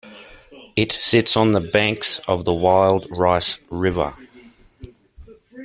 It sits on the banks of the Wild Rice River.